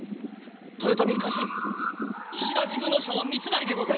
豊臣家臣石田治部少輔三成でございます。